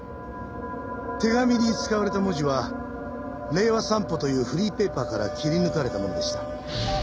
手紙に使われた文字は『令和散歩』というフリーペーパーから切り抜かれたものでした。